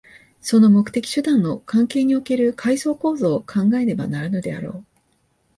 その目的・手段の関係における階層構造を考えねばならぬであろう。